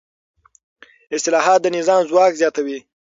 اصلاحات د نظام ځواک زیاتوي